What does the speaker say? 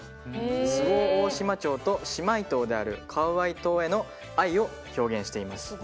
周防大島町と姉妹島であるカウアイ島への愛を表現しています。